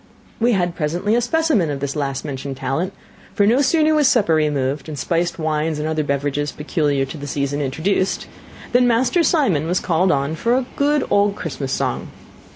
We had presently a specimen of his last mentioned talent; for no sooner was supper removed, and spiced wines and other beverages peculiar to the season introduced, than Master Simon was called on for a good old Christmas song.